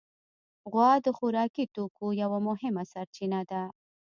غوا د خوراکي توکو یوه مهمه سرچینه ده.